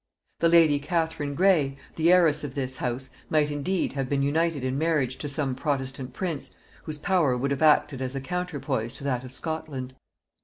The lady Catherine Grey, the heiress of this house, might indeed have been united in marriage to some protestant prince, whose power would have acted as a counterpoise to that of Scotland.